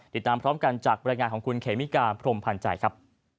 ติดตามพร้อมกันจากบรรยายงานของคุณเขมิกาพรมพันธ์ใจครับ